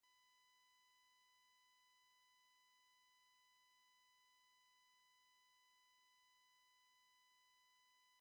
A particular feature was the ability to accelerate rare isotopic and radioactive beams.